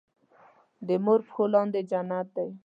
دې مور پښو لاندې جنت دی